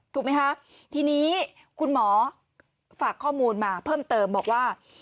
ถูกไหมคะทีนี้คุณหมอฝากข้อมูลมาเพิ่มเติมบอกว่า